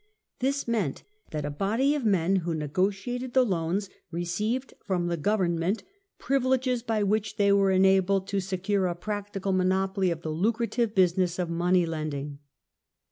This meant that a body of men who negotiated the loans received from government privileges, by which they were enabled to secure a practical monopoly of the lucrative business of money lending.